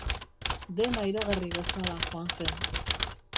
Dena iragarri bezala joan zen.